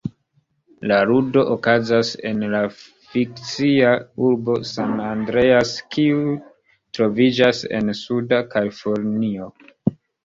La ludo okazas en la fikcia urbo San Andreas, kiu troviĝas en Suda Kalifornio.